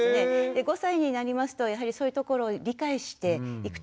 ５歳になりますとやはりそういうところ理解していくと思いますので。